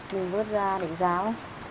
mình vớt ra để ráo